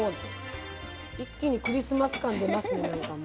一気にクリスマス感出ますね